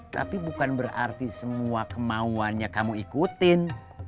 tapi bukan berarti semua kemauannya kamu ikutin